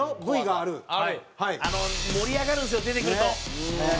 「盛り上がるんですよ出てくると」